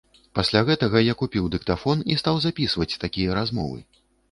Пасля гэтага я купіў дыктафон і стаў запісваць такія размовы.